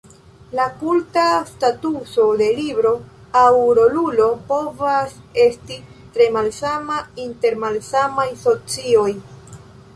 La kulta statuso de libro aŭ rolulo povas esti tre malsama inter malsamaj socioj.